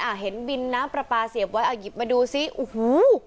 อ่ะเห็นบินน้ำประปาเสียบไว้อ่ะหยิบมาดูซิโอ้โฮ